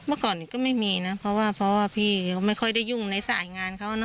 เมื่อก่อนก็ไม่มีนะเพราะว่าพี่ไม่ค่อยได้ยุ่งในสายงานเขานะ